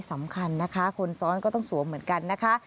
สำคัญนะคะคนซ้อนก็ต้องสวมเหมือนกันนะคะ